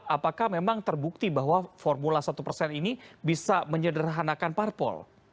apakah memang terbukti bahwa formula satu persen ini bisa menyederhanakan parpol